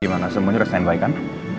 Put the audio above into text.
gimana semuanya resen baik kan